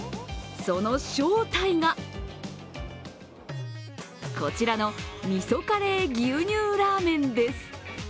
その正体が、こちらの味噌カレー牛乳ラーメンです。